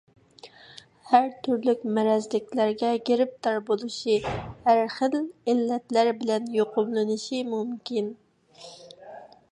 ھەر تۈرلۈك مەرەزلىكلەرگە گىرىپتار بولۇشى، ھەرخىل ئىللەتلەر بىلەن يۇقۇملىنىشى مۇمكىن.